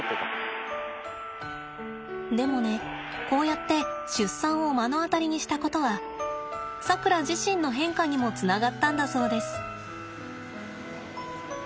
でもねこうやって出産を目の当たりにしたことはさくら自身の変化にもつながったんだそうです。